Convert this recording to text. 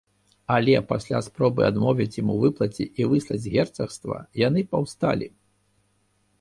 Але пасля спробы адмовіць ім у выплаце і выслаць з герцагства, яны паўсталі.